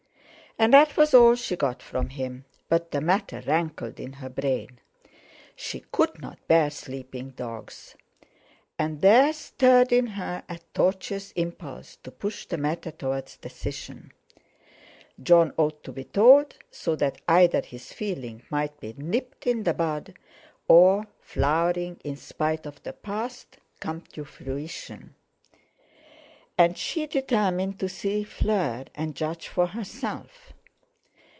And that was all she got from him; but the matter rankled in her brain. She could not bear sleeping dogs. And there stirred in her a tortuous impulse to push the matter toward decision. Jon ought to be told, so that either his feeling might be nipped in the bud, or, flowering in spite of the past, come to fruition. And she determined to see Fleur, and judge for herself.